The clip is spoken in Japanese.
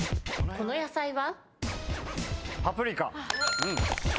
この野菜は？